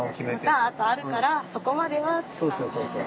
またあとあるからそこまではとか。